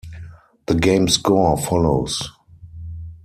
The game score follows.